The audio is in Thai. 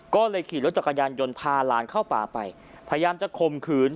ก็เลยขี่รถจักรยานยนต์พาหลานเข้าป่าไปพยายามจะข่มขืน